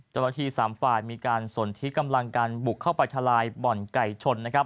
เจ้าละที่๓ฝ่ายมีการส่วนที่กำลังการบุกเข้าไปทลายบ่อนไก่ชน